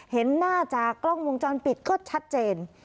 เห็นหน้าจากกล้องวงจรปิดก็ชัดเจน